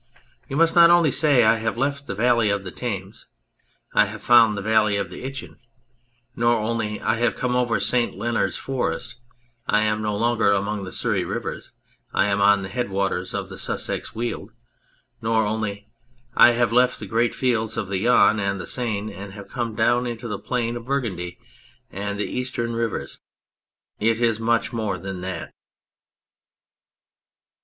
You must not only say :" I have left the valley of the Thames, I have found the valley of the Itchen," nor only :" I have come over St. Leonards Forest ; I am no longer among the Surrey rivers, I am on the headwaters of the Sussex Weald," nor only :" I have left the great fields of the Yonne and the Seine and I have come down on to the Plain of Burgundy and the Eastern Rivers " it is much more than that.